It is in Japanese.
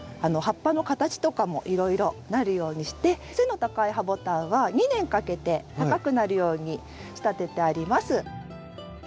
葉っぱの形とかもいろいろなるようにして背の高いハボタンは２年かけて高くなるように仕立ててあります。